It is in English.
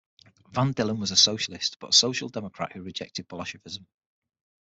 Van Dillen was a socialist, but a social democrat who rejected bolshevism.